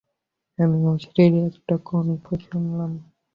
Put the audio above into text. আমি অশরীরী একটি কণ্ঠ শুনলাম!